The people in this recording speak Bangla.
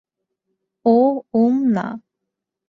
ওহ, উম, না।